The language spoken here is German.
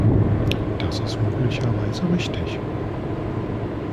Das ist möglicherweise richtig.